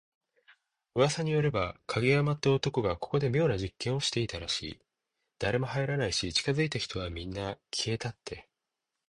噂によれば、影山って男がここで妙な実験をしてたらしい。誰も入らないし、近づいた人はみんな…消えたって。